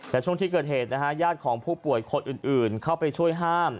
และช่วงที่เกิดเหตุนะฮะญาติของผู้ป่วยคนอื่นเข้าไปช่วยห้าม